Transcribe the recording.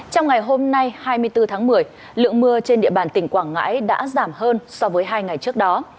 trong ngày hôm nay hai mươi bốn tháng một mươi lượng mưa trên địa bàn tỉnh quảng ngãi đã giảm hơn so với hai ngày trước đó